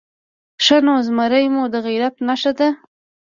_ښه نو، زمری مو د غيرت نښه ده؟